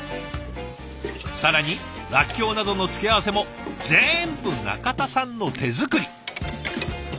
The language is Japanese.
更にらっきょうなどの付け合わせも全部中田さんの手作り。